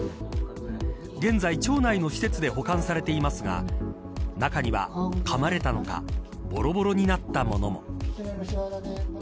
現在、町内の施設で保管されていますが中には、かまれたのかぼろぼろになったものも。